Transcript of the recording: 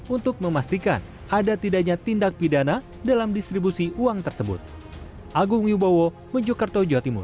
untuk memastikan ada tidaknya tindak pidana dalam distribusi uang tersebut